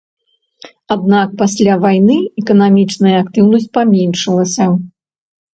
Аднак пасля вайны эканамічная актыўнасць паменшылася.